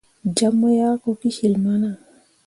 Jam mu yah ko kecil mana.